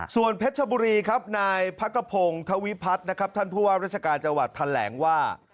ส่วนเพชรบุรีครับนายพักกระพงธวิพัฒน์นะครับท่านผู้ว่าราชการจังหวัดแถลงว่า